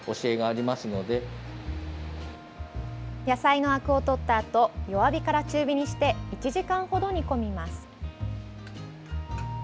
野菜のあくを取ったあと弱火から中火にして１時間ほど煮込みます。